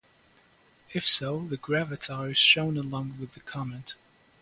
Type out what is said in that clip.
If so, the Gravatar is shown along with the comment.